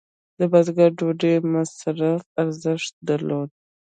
د بزګر ډوډۍ مصرفي ارزښت درلود.